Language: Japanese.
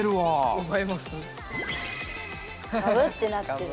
ガブってなってる。